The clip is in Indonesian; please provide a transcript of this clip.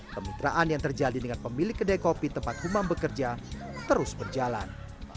kemitraan yang terjadi dengan pemilik kedai kopi tempat umam bekerja terus berjalan